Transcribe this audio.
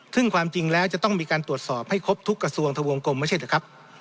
ซึ่งความจริงแล้วจะต้องมีการตรวจสอบให้ครบทุกกระทรวงทะวงกลมไม่ใช่นะครับ